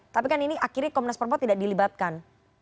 tapi kan ini akhirnya komnas perempuan tidak dilibatkan